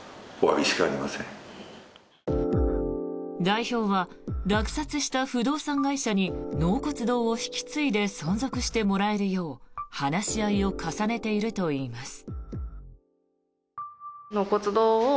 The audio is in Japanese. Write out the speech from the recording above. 代表は落札した不動産会社に納骨堂を引き継いで存続してもらえるよう話し合いを重ねているといいます。